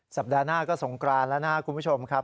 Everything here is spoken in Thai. สัปดาห์หน้าก็สงกรานแล้วนะครับคุณผู้ชมครับ